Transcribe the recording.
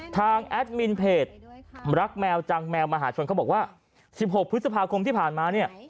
แอดมินเพจรักแมวจังแมวมหาชนเขาบอกว่า๑๖พฤษภาคมที่ผ่านมาเนี่ย